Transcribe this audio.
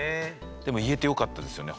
でも言えてよかったですよね